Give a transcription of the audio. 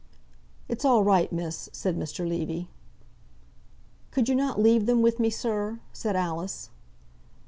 "It's all right, miss," said Mr. Levy. "Could you not leave them with me, sir?" said Alice.